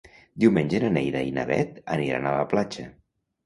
Diumenge na Neida i na Bet aniran a la platja.